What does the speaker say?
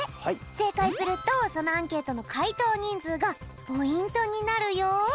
せいかいするとそのアンケートのかいとうにんずうがポイントになるよ。